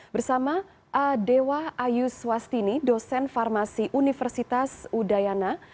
bersama adewa ayu swastini dosen farmasi universitas udayana